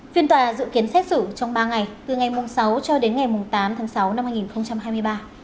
phiên tòa dự kiến xét xử trong ba ngày từ ngày sáu cho đến ngày tám tháng sáu năm hai nghìn hai mươi ba